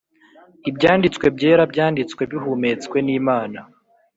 Ibyanditswe byera byanditswe bihumetswe nimana